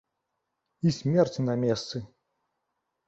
І смерць на месцы!